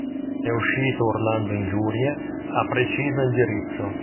È uscito urlando ingiurie a preciso indirizzo.